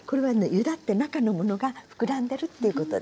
ゆだって中のものが膨らんでるっていうことです。